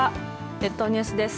列島ニュースです。